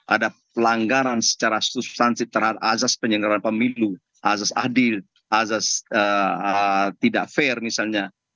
ada pelanggaran secara substansif terhadap azas penyelenggaraan pemilu azas adil azas tidak fair misalnya